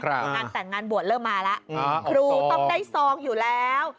งานแต่งงานบวชเริ่มมาแล้วครูต้องได้ซองอยู่แล้ว